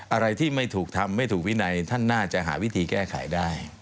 อะไรที่ไม่ถูกทำไม่ถูกวินัยท่านน่าจะหาวิธีแก้ไขได้